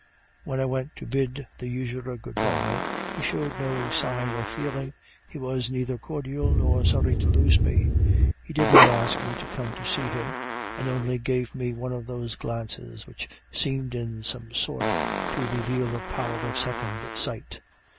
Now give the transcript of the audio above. "When I went to bid the usurer good bye, he showed no sign of feeling, he was neither cordial nor sorry to lose me, he did not ask me to come to see him, and only gave me one of those glances which seemed in some sort to reveal a power of second sight.